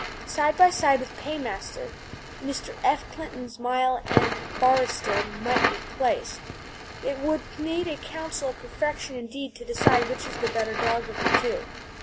Side by side with Paymaster, Mr. F. Clifton's Mile End Barrister might be placed. It would need a council of perfection, indeed, to decide which is the better dog of the two.